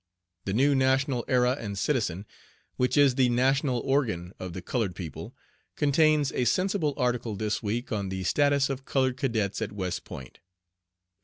"The New National Era and Citizen, which is the national organ of the colored people, contains a sensible article this week on the status of colored cadets at West Point.